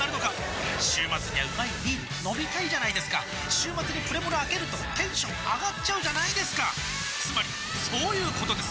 週末にはうまいビール飲みたいじゃないですか週末にプレモルあけるとテンション上がっちゃうじゃないですかつまりそういうことです！